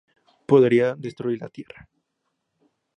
Podría destruir la Tierra.